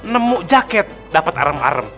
nemu jaket dapat arem arem